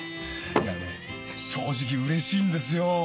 いやね正直嬉しいんですよ。